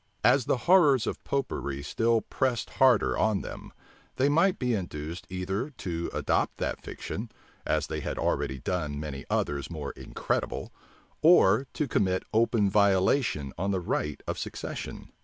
As the horrors of Popery still pressed harder on them, they might be induced either to adopt that fiction, as they had already done many others more incredible, or to commit open violation on the right of succession.